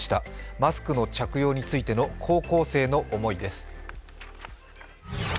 マスクの着用についての高校生の思いです。